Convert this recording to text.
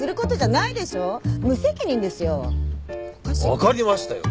分かりましたよ。